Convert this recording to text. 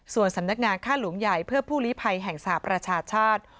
ส่วนสำนักงานค่าหลวงใหญ่เพื่อผู้ลิภัยแห่งสหประชาชาติ